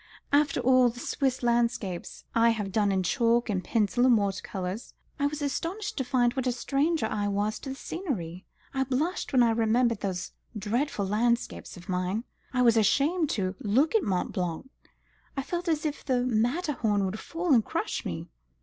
After all the Swiss landscapes I have done in chalk, and pencil, and water colours, I was astonished to find what a stranger I was to the scenery. I blushed when I remembered those dreadful landscapes of mine. I was ashamed to look at Mont Blanc. I felt as if the Matterhorn would fall and crush me."